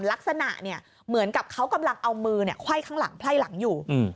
ลักษณะเนี่ยเหมือนกับเขากำลังเอามือไขว้ข้างหลังไพ่หลังอยู่